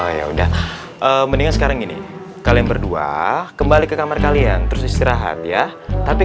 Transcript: oh ya udah mendingan sekarang gini kalian berdua kembali ke kamar kalian terus istirahat ya tapi